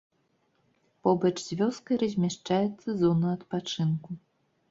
Побач з вёскай размяшчаецца зона адпачынку.